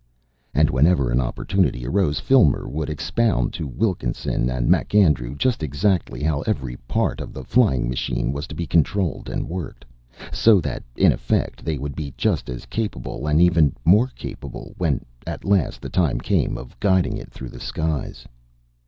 And whenever an opportunity arose Filmer would expound to Wilkinson and MacAndrew just exactly how every part of the flying machine was to be controlled and worked, so that in effect they would be just as capable, and even more capable, when at last the time came, of guiding it through the skies.